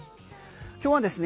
今日はですね